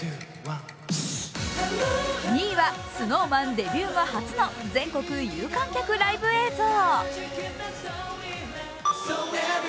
２位はＳｎｏｗＭａｎデビュー後初の全国有観客ライブ映像。